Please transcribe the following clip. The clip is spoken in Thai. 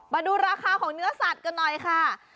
มาดูราคาของเนื้อสัตว์กันหน่อยค่ะ